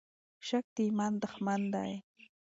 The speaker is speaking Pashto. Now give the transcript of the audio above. شک د ایمان دښمن دی.